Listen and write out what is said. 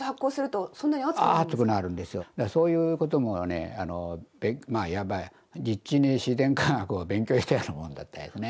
そういうこともねまあいわば実地に自然科学を勉強したようなもんだったですね